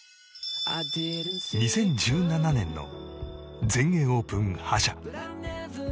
２０１７年の全英オープン覇者。